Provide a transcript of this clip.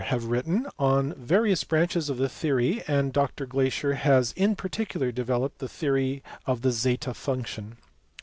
462) have written on various branches of the theory, and Dr Glaisher has in particular developed the theory of the zeta function.